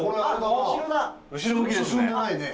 後ろ向きですね。